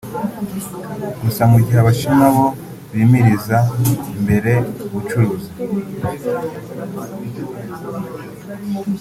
Gusa mu gihe Abashinwa bo bimiriza imbere ubucuruzi